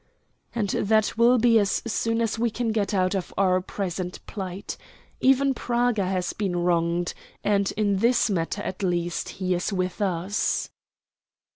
"And that will be as soon as we can get out of our present plight. Even Praga has been wronged, and in this matter at least he is with us."